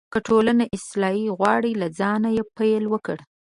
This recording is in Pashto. که ټولنه اصلاح غواړې، له ځانه پیل وکړه.